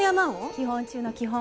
基本中の基本。